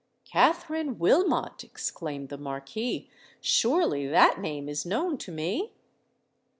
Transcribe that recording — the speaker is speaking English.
"Katherine Wilmot!" exclaimed the Marquis: "surely that name is known to me?"